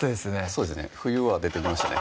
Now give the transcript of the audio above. そうですね冬は出てましたね